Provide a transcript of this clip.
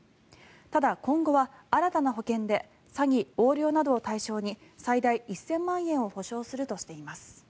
ただ、今後は新たな保険で詐欺、横領などを対象に最大１０００万円を補償するとしています。